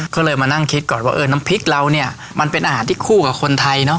ก็เลยมานั่งคิดก่อนว่าเออน้ำพริกเราเนี่ยมันเป็นอาหารที่คู่กับคนไทยเนอะ